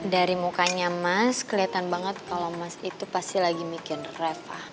dari mukanya mas kelihatan banget kalau mas itu pasti lagi bikin reva